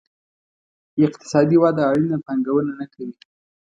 اقتصادي وده اړینه پانګونه نه کوي.